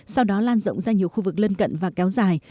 sau đó lan rộng ra nhiều khu vực lân cận và kéo dài